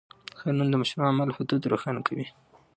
قانون د مشروع عمل حدود روښانه کوي.